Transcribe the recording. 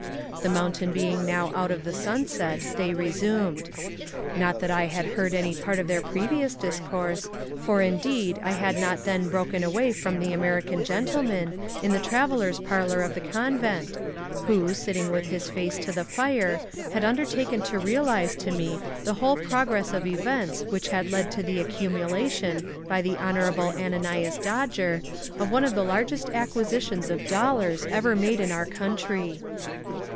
The mountain being now out of the sunset, they resumed. Not that I had heard any part of their previous discourse; for indeed, I had not then broken away from the American gentleman, in the travellers' parlour of the convent, who, sitting with his face to the fire, had undertaken to realise to me the whole progress of events which had led to the accumulation by the Honourable Ananias Dodger of one of the largest acquisitions of dollars ever made in our country.